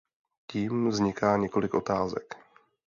Tím vzniká několik otázek.